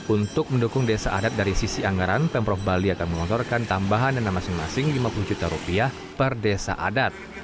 untuk mendukung desa adat dari sisi anggaran pemprov bali akan mengontorkan tambahan dana masing masing lima puluh juta rupiah per desa adat